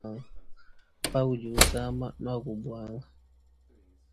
Pawudi usama nuaku buanga.